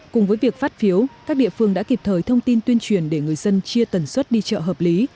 cùng với việc phát phiếu các địa phương đã kịp thời thông tin tuyên truyền để người dân chia tần suất đi chợ hợp lý